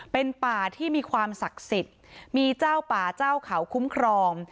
เป็นป่าที่มีความศักดิ์สิทธิ์มีเจ้าป่าเจ้าเขาคุ้มครอง